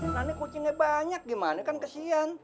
nah ini kucingnya banyak gimana kan kesian